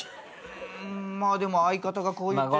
まあでも相方がこう言って。